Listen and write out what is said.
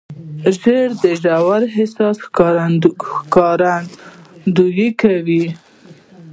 • ژړا د ژور احساس ښکارندویي کوي.